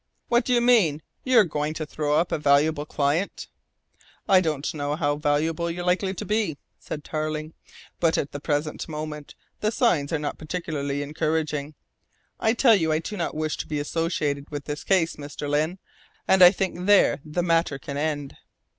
"What do you mean? You're going to throw up a valuable client?" "I don't know how valuable you're likely to be," said Tarling, "but at the present moment the signs are not particularly encouraging. I tell you I do not wish to be associated with this case, Mr. Lyne, and I think there the matter can end."